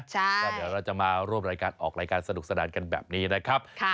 ก็เดี๋ยวเราจะมาร่วมรายการออกรายการสนุกสนานกันแบบนี้นะครับ